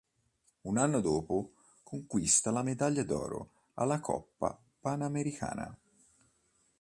Un anno dopo conquista la medaglia d'oro alla Coppa panamericana.